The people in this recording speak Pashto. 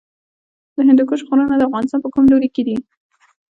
د هندوکش غرونه د افغانستان په کوم لوري کې دي؟